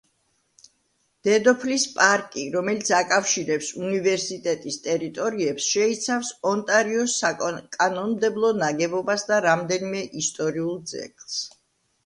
დედოფლის პარკი, რომელიც აკავშირებს უნივერსიტეტის ტერიტორიებს, შეიცავს ონტარიოს საკანონმდებლო ნაგებობას და რამდენიმე ისტორიულ ძეგლს.